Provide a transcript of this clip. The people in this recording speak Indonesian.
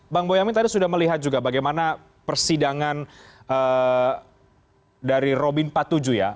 bang boyamin tadi sudah melihat juga bagaimana persidangan dari robin empat puluh tujuh ya